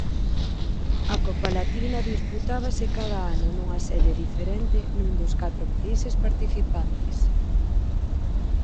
A Copa Latina disputábase cada ano nunha sede diferente nun dos catro países participantes.